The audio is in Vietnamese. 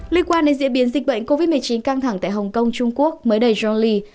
liên quan đến diễn biến dịch bệnh covid một mươi chín căng thẳng tại hồng kông trung quốc mới đầy jorly